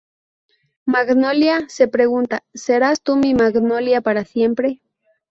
Magnolia" se pregunta "¿Serás tú mi magnolia para siempre?".